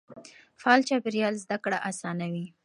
فعال چاپېريال زده کړه اسانوي.